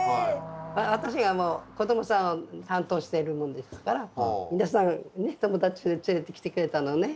私がもう子供さん担当してるもんですから皆さんね友達連れてきてくれたのね。